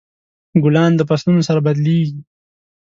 ګلان د فصلونو سره بدلیږي.